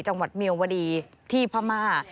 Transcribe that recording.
จังหวัดเมียวดีที่พม่า